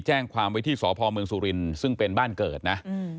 แจ้งความไว้ที่สพเมืองสุรินทร์ซึ่งเป็นบ้านเกิดนะ